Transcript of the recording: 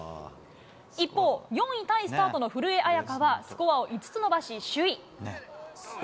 一方、４位タイスタートの古江彩佳は、スコアを５つ伸ばし、首位。